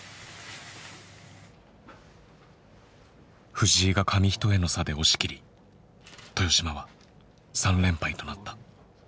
藤井が紙一重の差で押し切り豊島は３連敗となった。